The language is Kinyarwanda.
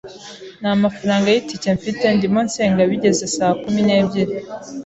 nta mafaranga y’itike mfite, ndimo nsenga bigeze sa kumi n’ebyiri ,